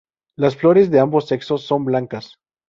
Las flores de ambos sexos son blancas.